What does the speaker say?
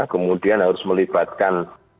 kemudian harus melibatkan